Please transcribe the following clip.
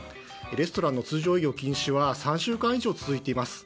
レストランの通常営業禁止は３週間以上、続いています。